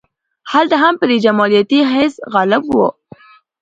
هلته هم پرې جمالیاتي حس غالب و.